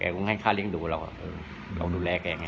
แกก็ให้ข้าเลี่ยงดูเราเราดูแลแกไง